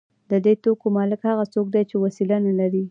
د دې توکو مالک هغه څوک دی چې وسیله نلري